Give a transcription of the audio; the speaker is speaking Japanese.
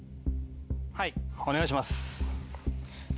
はいお願いします。